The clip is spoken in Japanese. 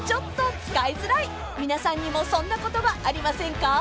［皆さんにもそんな言葉ありませんか？］